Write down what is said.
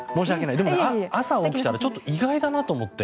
でも、朝起きたらちょっと意外だなと思って。